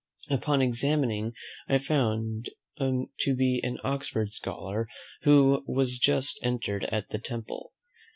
Upon examination, I found him to be an Oxford scholar who was just entered at the Temple.